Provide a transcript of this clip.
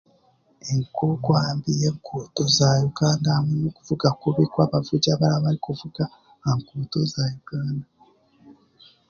Enkogwa mbi y'enkuuto za Uganda hamwe n'okuvuga kubi kw'abavugi abaraabarikuvuga aha nkuuto za Uganda